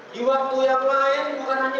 di waktu yang lain bukan hanya